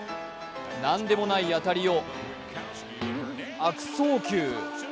何でもない当たりを悪送球。